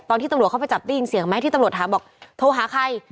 ตอนที่ตำรวจเข้าไปจับได้ยินเสียงไหมที่ตำรวจถามบอกโทรหาใคร